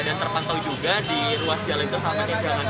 dan terpantau juga di ruas jalan jalan yang jalan jalan